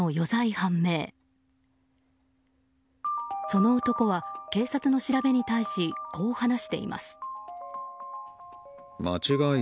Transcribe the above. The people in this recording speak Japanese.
その男は警察の調べに対しこう話しています。